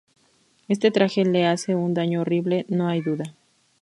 Este traje le hace un daño horrible, no hay duda.